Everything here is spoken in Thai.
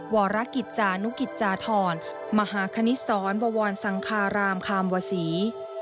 วรกิจจานุกิจจาธรมมหาคณิตศรบวรสังคารามคามวศรี